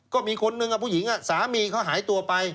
ก็มีคนนึงกับผู้หญิงสามีเขาหายตัวไป